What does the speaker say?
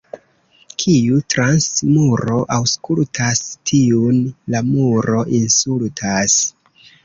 Kiu trans muro aŭskultas, tiun la muro insultas.